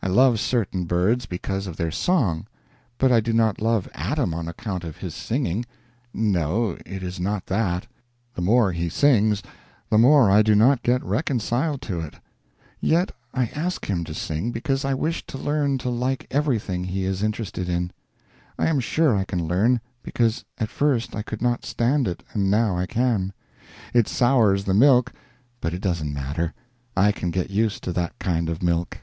I love certain birds because of their song; but I do not love Adam on account of his singing no, it is not that; the more he sings the more I do not get reconciled to it. Yet I ask him to sing, because I wish to learn to like everything he is interested in. I am sure I can learn, because at first I could not stand it, but now I can. It sours the milk, but it doesn't matter; I can get used to that kind of milk.